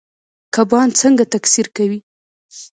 کبان څنګه تکثیر کوي؟